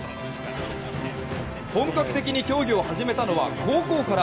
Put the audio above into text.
本格的に競技を始めたのは高校から。